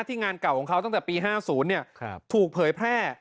งานเก่าของเขาตั้งแต่ปี๕๐ถูกเผยแพร่